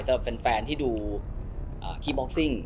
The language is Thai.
สำหรับแฟนที่ดูคีย์บ็อกซิ่ง